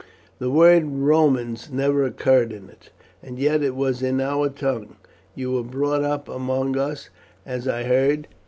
The word Romans never occurred in it, and yet it was in our tongue. You were brought up among us, as I heard.